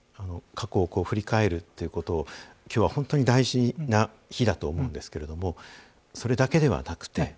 過去を振り返るということをきょうは本当に大事な日だと思うんですけれどもそれだけではなくて。